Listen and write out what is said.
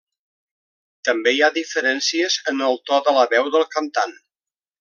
També hi ha diferències en el to de la veu del cantant.